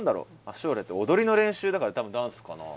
「足折れて踊りの練習」だから多分ダンスかな。